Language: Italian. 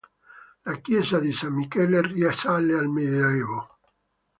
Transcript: La chiesa di San Michele risale al Medioevo.